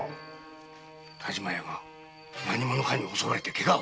田島屋が何者かに襲われてケガを。